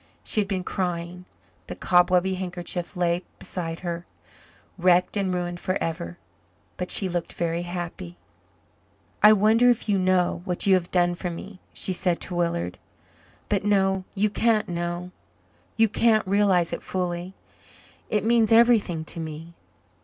She had been crying the cobwebby handkerchief lay beside her, wrecked and ruined forever but she looked very happy. "I wonder if you know what you have done for me," she said to Willard. "But no you can't know you can't realize it fully. It means everything to me.